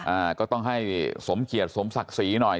อ่าก็ต้องให้สมเกียจสมศักดิ์ศรีหน่อย